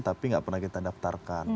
tapi nggak pernah kita daftarkan